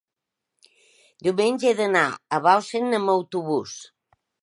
diumenge he d'anar a Bausen amb autobús.